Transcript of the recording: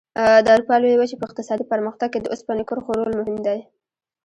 د اروپا لویې وچې په اقتصادي پرمختګ کې د اوسپنې کرښو رول مهم دی.